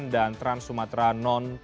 dan trans sumatera non jawa